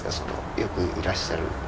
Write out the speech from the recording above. よくいらっしゃる。